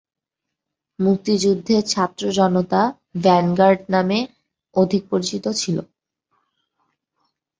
মুক্তিযুদ্ধে ছাত্র জনতা ভ্যানগার্ড নামে অধিক পরিচিত ছিল।